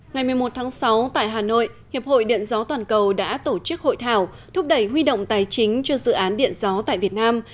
ngày một mươi một tháng sáu tại hà nội hiệp hội điện gió toàn cầu đã tổ chức hội thảo thúc đẩy huy động tài chính cho dự án điện gió tại việt nam